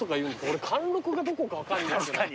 俺環六がどこか分かんない。